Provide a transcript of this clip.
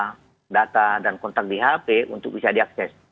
platform persona dengan juga data dan kontak di laptop untuk bisa diakses